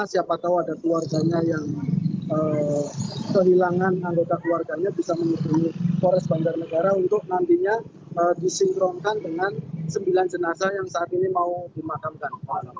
siapa tahu ada keluarganya yang kehilangan anggota keluarganya bisa menghubungi polres banjarnegara untuk nantinya disinkronkan dengan sembilan jenazah yang saat ini mau dimakamkan